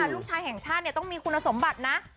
ลูกชายแห่งชาติต้องมีคุณสมบัตินะ